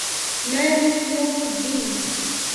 مالك يوم الدين